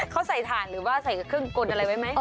เขาใส่ถ่านหรือว่าใส่เครื่องกลอะไรไว้ไหม